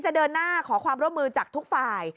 จะเดินหน้าขอความร่วมมือจากทุกฝ่าย